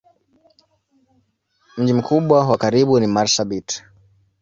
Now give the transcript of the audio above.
Mji mkubwa wa karibu ni Marsabit.